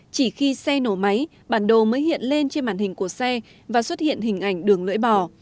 chỉ khi xe nổ máy bản đồ mới hiện lên trên màn hình của xe và xuất hiện hình ảnh đường lưỡi bò